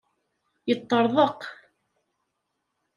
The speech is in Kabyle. Yeṭṭerḍeq.